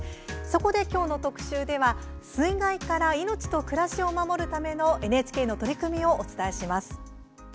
そこで、きょうの特集では水害から命と暮らしを守るためのＮＨＫの取り組みをお伝えします。